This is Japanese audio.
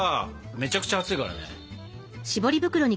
めちゃくちゃ熱いからね。